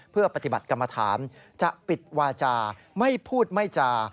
เพื่อปฏิบัติกรรมฐานจะปิดวาจาไม่พูดไม่จา